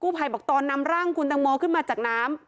ภัยบอกตอนนำร่างคุณตังโมขึ้นมาจากน้ำ